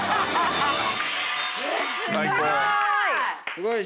すごい！